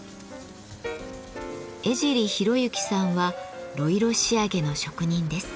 江尻浩幸さんは呂色仕上げの職人です。